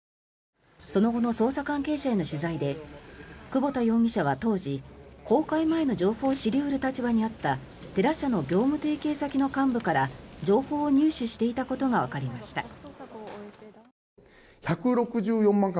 その後の捜査関係者への取材で久保田容疑者は当時公開前の情報を知り得る立場にあったテラ社の業務提携先の幹部から情報を入手していたことがわかりました。